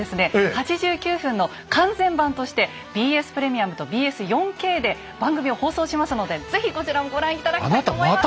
８９分の完全版としてＢＳプレミアムとＢＳ４Ｋで番組を放送しますので是非こちらもご覧頂きたいと思います。